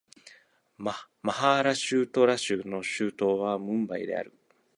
マハーラーシュトラ州の州都はムンバイである